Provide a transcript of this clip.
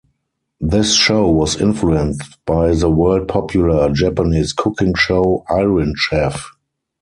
This show was influenced by the world-popular Japanese cooking show Iron Chef.